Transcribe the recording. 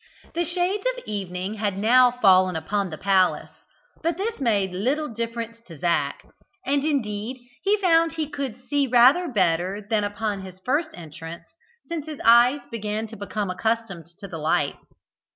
The shades of evening had now fallen upon the palace, but this made little difference to Zac, and indeed he found he could see rather better than upon his first entrance, since his eyes began to become accustomed to the light.